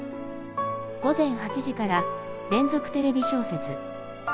「午前８時から『連続テレビ小説』」。